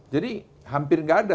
jadi hampir tidak ada sektoral